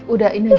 udah ini lagi